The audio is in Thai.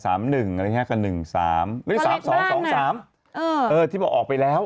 อะไรอย่างเงี้กับหนึ่งสามหรือสามสองสองสามเออเออที่บอกออกไปแล้ว